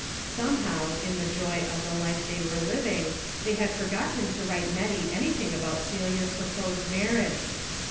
Somehow, in the joy of the life they were living, they had forgot ten to write Nettie anything about Celia's pro posed marriage.